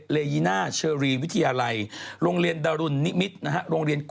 ร้อนจะเอาใบบัวมาปิด